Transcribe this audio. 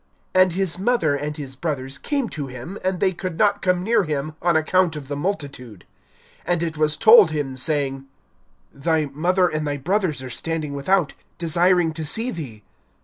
(19)And his mother and his brothers came to him; and they could not come near him on account of the multitude. (20)And it was told him, saying: Thy mother and thy brothers are standing without, desiring to see thee.